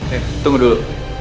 eh tunggu dulu